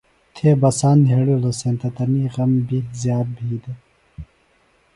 تھے بساند نھیڑِیلوۡ سینتہ تنی غم بیۡ زیات بھی دےۡ